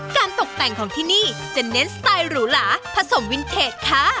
ตกแต่งของที่นี่จะเน้นสไตล์หรูหลาผสมวินเทจค่ะ